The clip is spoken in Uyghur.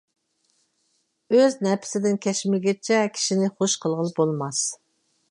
ئۆز نەپسىدىن كەچمىگۈچە، كىشىنى خۇش قىلغىلى بولماس.